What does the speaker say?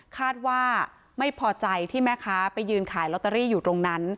คาดว่าไม่พอใจที่แม่ค้าไปยืนขายลอตเตอรี่อยู่ตรงนั้น